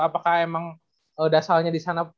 apakah emang dasarnya disana